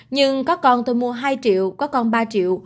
nhưng có con tôi mua hai triệu có con ba triệu